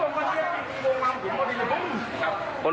ชั้นแปดทุก